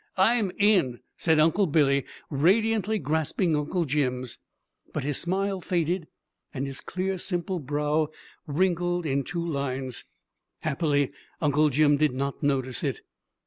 "I'm in," said Uncle Billy, radiantly grasping Uncle Jim's. But his smile faded, and his clear simple brow wrinkled in two lines. Happily Uncle Jim did not notice it.